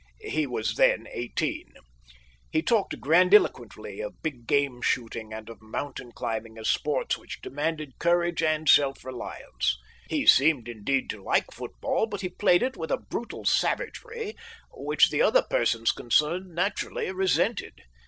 (He was then eighteen!) He talked grandiloquently of big game shooting and of mountain climbing as sports which demanded courage and self reliance. He seemed, indeed, to like football, but he played it with a brutal savagery which the other persons concerned naturally resented.